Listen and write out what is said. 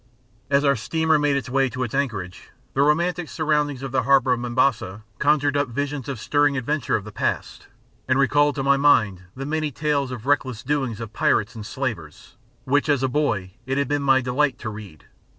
As our steamer made its way to its anchorage, the romantic surroundings of the harbour of Mombasa conjured up, visions of stirring adventures of the past, and recalled to my mind the many tales of reckless doings of pirates and slavers, which as a boy it had been my delight to read.